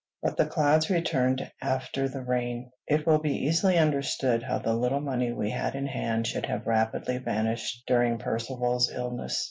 But the clouds returned after the rain. It will be easily understood how the little money we had in hand should have rapidly vanished during Percivale's illness.